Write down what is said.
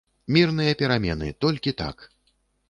Мірныя перамены, толькі так.